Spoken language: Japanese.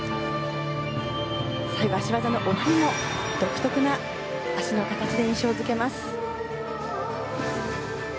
最後、脚技の送りも独特な脚の形で印象付けます。